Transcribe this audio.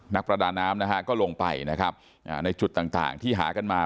นักประดาน้ำก็ลงไปในจุดต่างที่หากันมา